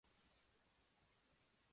Fue enterrado en Austria.